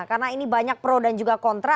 karena ini banyak pro dan juga kontra